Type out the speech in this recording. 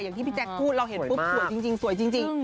อย่างที่พี่แจ๊คก็พูดเราเห็นซวยจริง